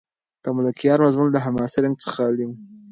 د ملکیار مضمون له حماسي رنګ څخه خالي و.